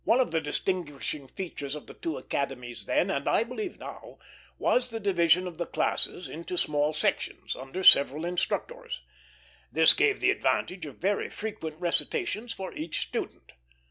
One of the distinguishing features of the two academies then, and I believe now, was the division of the classes into small sections, under several instructors. This gave the advantage of very frequent recitations for each student.